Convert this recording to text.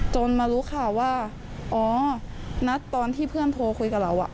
จนมารู้ข่าวว่าอ๋อนัดตอนที่เพื่อนโทรคุยกับเรา